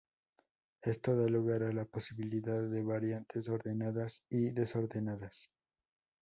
Esto da lugar a la posibilidad de variantes ordenadas y desordenadas.